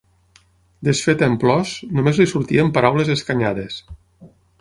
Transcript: Desfeta en plors, només li sortien paraules escanyades.